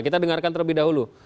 kita dengarkan terlebih dahulu